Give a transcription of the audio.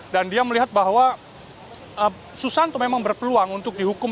dan dia melihat bahwa susanto memang berpeluang untuk dihukum